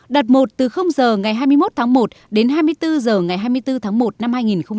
đợt một từ h ngày hai mươi một tháng một đến hai mươi bốn h ngày hai mươi bốn tháng một năm hai nghìn hai mươi